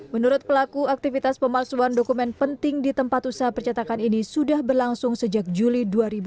menurut pelaku aktivitas pemalsuan dokumen penting di tempat usaha percetakan ini sudah berlangsung sejak juli dua ribu dua puluh